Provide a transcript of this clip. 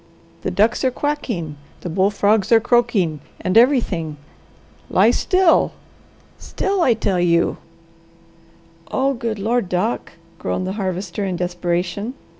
The ducks are quacking, the bull frogs are croaking, and everything. Lie still, still, I tell you!" "Oh good Lord, Doc!" groaned the Harvester in desperation.